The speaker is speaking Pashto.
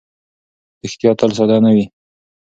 ریښتیا تل ساده نه وي.